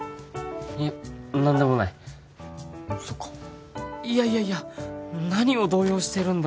いや何でもないそっかいやいやいや何を動揺してるんだ？